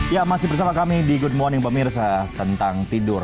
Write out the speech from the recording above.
ya masih bersama kami di good morning pemirsa tentang tidur